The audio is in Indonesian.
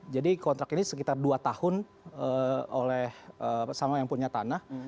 jadi kontrak ini sekitar dua tahun oleh sama yang punya tanah